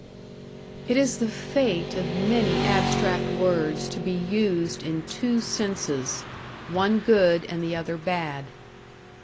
It is the fate of many abstract words to be used in two senses, one good and the other bad.